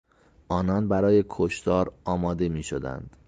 آنان برای کشتار آماده میشدند.